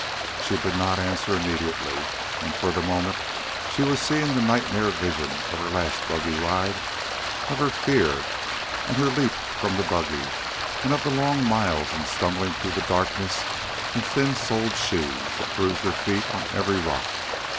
She did not answer immediately, and for the moment she was seeing the nightmare vision of her last buggy ride; of her fear and her leap from the buggy; and of the long miles and the stumbling through the darkness in thin soled shoes that bruised her feet on every rock.